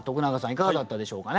いかがだったでしょうかね。